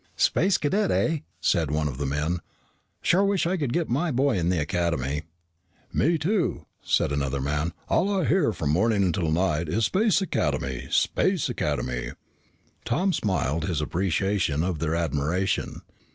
"Space Cadet, eh?" said one of the men. "Sure wish I could get my boy in the Academy." "Me too," said another man. "All I hear from morning until night is Space Academy Space Academy." Tom smiled his appreciation of their admiration.